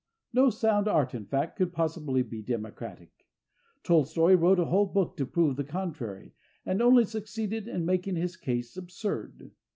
No sound art, in fact, could possibly be democratic. Tolstoi wrote a whole book to prove the contrary, and only succeeded in making his case absurd.